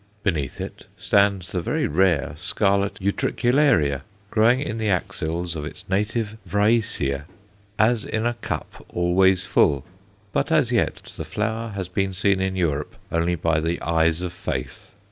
Beneath it stands the very rare scarlet Utricularia, growing in the axils of its native Vriesia, as in a cup always full; but as yet the flower has been seen in Europe only by the eyes of faith.